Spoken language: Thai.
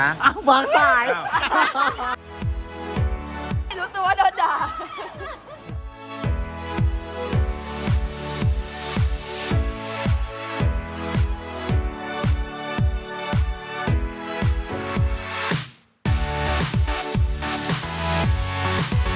อ้าวบอกไป